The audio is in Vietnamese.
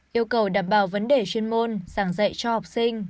yêu cầu đảm bảo vấn đề chuyên môn giảng dạy cho học sinh